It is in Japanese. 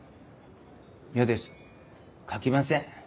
嫌です描きません。